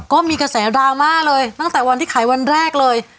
ก็มีกระแสดราม่าเลยตั้งแต่วันที่ขายวันแรกเลย